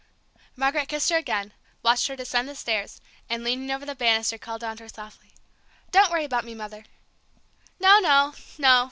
Margaret kissed her again, watched her descend the stairs, and leaning over the banister called down to her softly: "Don't worry about me, Mother!" "No no no!"